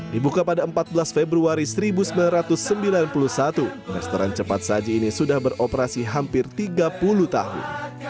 dibuka pada empat belas februari seribu sembilan ratus sembilan puluh satu restoran cepat saji ini sudah beroperasi hampir tiga puluh tahun